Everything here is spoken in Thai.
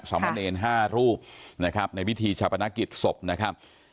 สำเร็จเอน๕รูปนะครับในพิธีชะพนักกิจศพนะครับ